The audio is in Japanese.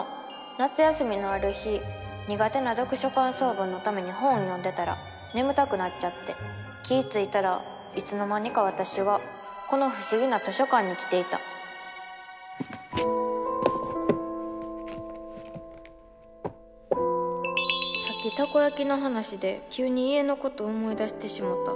夏休みのある日にがてな読書かんそう文のために本を読んでたらねむたくなっちゃって気いついたらいつの間にかわたしはこのふしぎな図書かんに来ていたさっきたこやきのはなしできゅうに家のことを思い出してしもた。